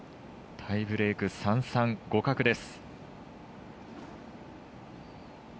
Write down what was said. タイブレーク、３−３互角です。